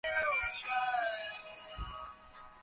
তিনি তার খেলোয়াড়ী জীবনের সেরা বোলিং হিসেবে উল্লেখ করেন।